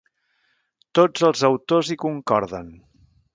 Tots els autors hi concorden.